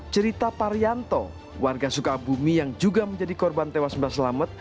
cerita parianto warga sukabumi yang juga menjadi korban tewas mbah selamet